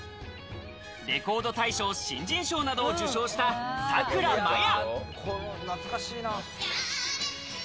レコード大賞新人賞などを受賞したさくらまや。